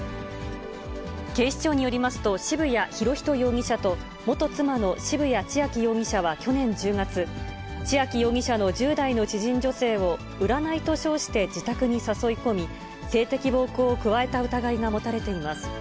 警視庁によりますと、渋谷博仁容疑者と元妻の渋谷千秋容疑者は去年１０月、千秋容疑者の１０代の知人女性を占いと称して自宅に誘い込み、性的暴行を加えた疑いが持たれています。